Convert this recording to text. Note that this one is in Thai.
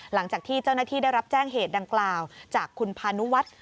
หลังจากที่เจ้าหน้าที่ได้รับแจ้งเหตุดังกล่าวจากคุณพานุวัฒน์